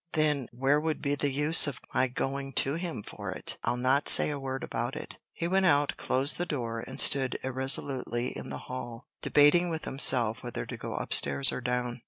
"Then, where would be the use of my going to him for it? I'll not say a word about it." He went out, closed the door and stood irresolutely in the hall, debating with himself whether to go up stairs or down.